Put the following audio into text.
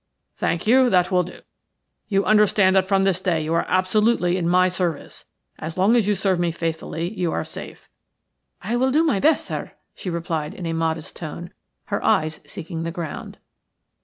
"Thank you, that will do. You understand that from this day you are absolutely in my service. As long as you serve me faithfully you are safe." "I will do my best, sir," she replied, in a modest tone, her eyes seeking the ground.